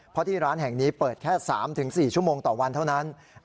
เพราะที่ร้านแห่งนี้เปิดแค่๓๔ชั่วโมงต่อวันเท่านั้น